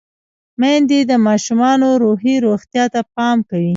میندې د ماشومانو روحي روغتیا ته پام کوي۔